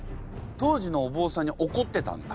当時のお坊さんに怒ってたんだ？